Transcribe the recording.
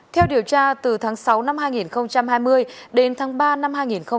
theo điều tra từ tháng sáu năm hai nghìn hai mươi đến tháng ba năm hai nghìn hai mươi